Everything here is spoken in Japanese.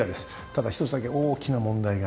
ただ１つだけ大きな問題が。